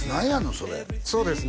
それそうですね